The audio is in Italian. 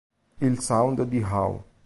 Il sound di "How?